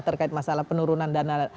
terkait masalah penurunan dana